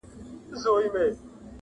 صوفي سمدستي شروع په نصیحت سو؛